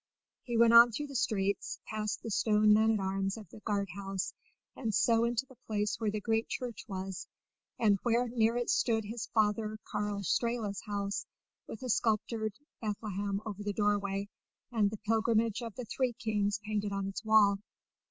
He went on through the streets, past the stone man at arms of the guard house, and so into the place where the great church was, and where near it stood his father Karl Strehla's house, with a sculptured Bethlehem over the doorway, and the Pilgrimage of the Three Kings painted on its wall.